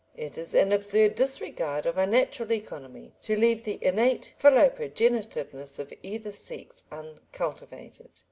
It is an absurd disregard of a natural economy to leave the innate philoprogenitiveness of either sex uncultivated.